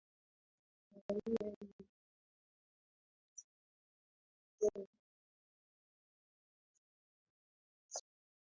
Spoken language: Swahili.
Angalia mifano ya tafsiri ya Mkoa wa Magharibi katika sentensi